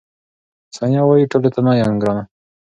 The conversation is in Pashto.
ثانیه وايي، ټولو ته نه یم ګرانه.